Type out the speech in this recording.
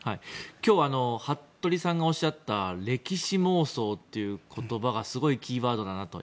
今日服部さんがおっしゃった歴史妄想という言葉がすごいキーワードだなと。